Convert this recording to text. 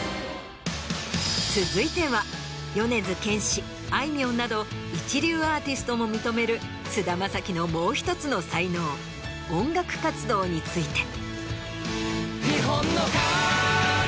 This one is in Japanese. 続いては米津玄師あいみょんなど一流アーティストも認める菅田将暉のもう１つの才能音楽活動について。